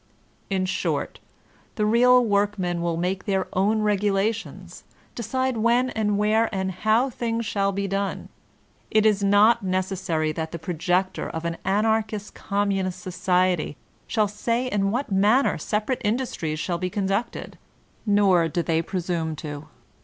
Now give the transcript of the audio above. In short, the real workmen will make their own regula tions, decide when and where and how things shall be done. It is not necessary that the projector of an An archist Communist society shall say in what manner separate industries shall be conducted, nor do they pre sume to.